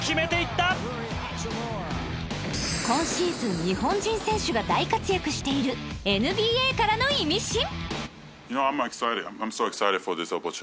今シーズン日本人選手が大活躍している ＮＢＡ からのイミシン